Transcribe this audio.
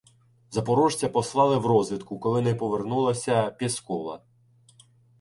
Запорожця послали в розвідку, коли не повернулася Пєскова.